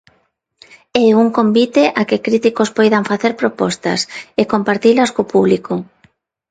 É un convite a que críticos poidan facer propostas, e compartilas co público.